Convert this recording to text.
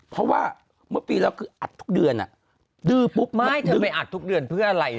เพราะว่าเมื่อปีแล้วคืออัดทุกเดือนดื้อปุ๊บมากดื้อไม่อัดทุกเดือนเพื่ออะไร